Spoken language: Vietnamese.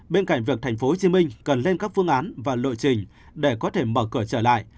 bên cạnh việc thành phố hồ chí minh cần lên các phương án và lộ trình để có thể mở cửa trở lại